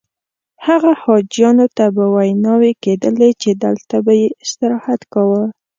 هغه حاجیانو ته به ویناوې کېدلې چې دلته به یې استراحت کاوه.